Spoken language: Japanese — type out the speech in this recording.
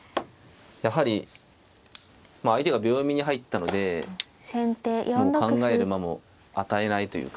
やはり相手が秒読みに入ったのでもう考える間も与えないというか。